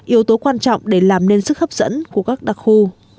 yếu tố quan trọng để làm nên sức hấp dẫn của các đặc khu